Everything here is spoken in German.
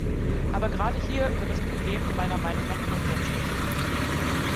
Aber gerade hier wird das Problem meiner Meinung nach grundsätzlich.